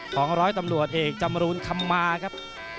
ของร้อยตำรวจเอกจำรูนคำมาครับ